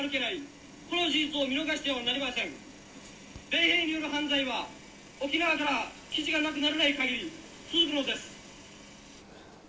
「米兵による犯罪は沖縄から基地がなくならないかぎり続くのです」。